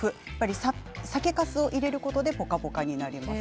酒かすを入れることでポカポカになります。